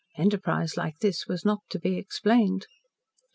Enterprise like this was not to be explained.